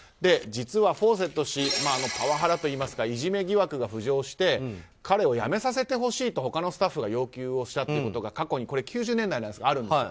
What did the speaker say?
実はフォーセット氏パワハラといいますかいじめ疑惑が浮上して彼を辞めさせてほしいと他のスタッフが要求したことが過去、９０年代にあるんです。